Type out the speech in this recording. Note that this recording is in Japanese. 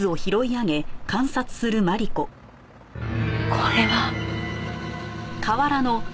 これは！